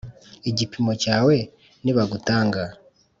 Igipimo cyawe nibagutanga